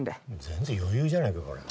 全然余裕じゃねえか。